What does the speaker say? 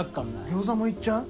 餃子もいっちゃう？